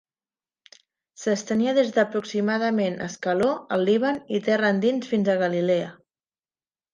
S'estenia des d'aproximadament Ascaló al Líban i terra endins fins a Galilea.